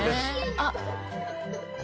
あっ！